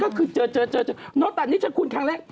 ก็คือเจอน้องตานนี้ชั้นคุณครั้งแรก